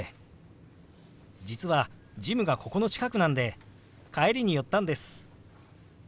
実はジムがここの近くなんで帰りに寄ったんです。